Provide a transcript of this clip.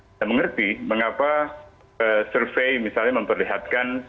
kita mengerti mengapa survei misalnya memperlihatkan